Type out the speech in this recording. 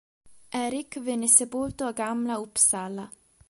Erik venne sepolto a Gamla Uppsala.